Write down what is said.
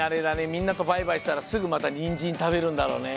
みんなとバイバイしたらすぐまたニンジンたべるんだろうね。